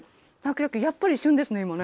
やっぱり旬ですね、今ね。